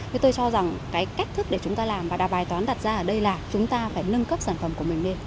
thì tôi cho rằng cái cách thức để chúng ta làm và đặt bài toán đặt ra ở đây là chúng ta phải nâng cấp sản phẩm của mình lên